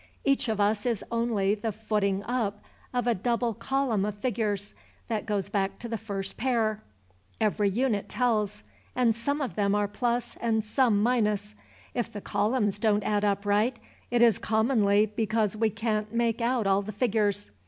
Each of us is only the footing up of a double column of figures that goes back to the first pair. Every unit tells, and some of them are plus, and some minus. If the columns don't add up right, it is commonly because we can't make out all the figures.